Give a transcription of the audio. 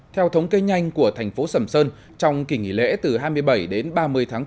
theo thống kê nhanh của thành phố sầm sơn trong kỳ nghỉ lễ từ hai mươi bảy đến ba mươi tháng bốn